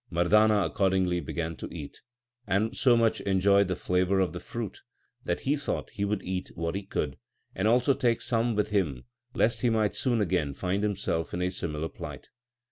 Mardana accordingly began to eat, and so much enjoyed the flavour of the fruit, that he thought he would eat what he could, and also take some with him, lest he might soon again find himself in a similar plight.